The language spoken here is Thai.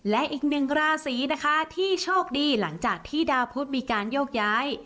และอีกหนึ่งราศีนะคะที่โชคดีหลังจากที่ดาวพุทธมีการโยกย้าย